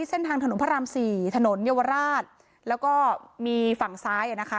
เส้นทางถนนพระรามสี่ถนนเยาวราชแล้วก็มีฝั่งซ้ายอ่ะนะคะ